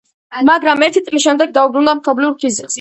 მაგრამ ერთი წლის შემდეგ დაუბრუნდა მშობლიურ ქიზიყს.